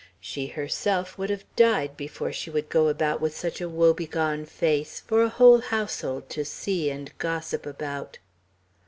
She herself would have died before she would go about with such a woe begone face, for a whole household to see and gossip about.